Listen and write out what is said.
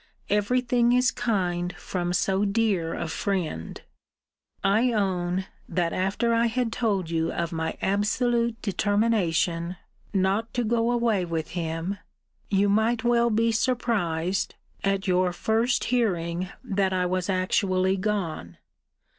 * Every thing is kind from so dear a friend. * See Vol. II. Letter XLVII. I own, that after I had told you of my absolute determination not to go away with him, you might well be surprised, at your first hearing that I was actually gone.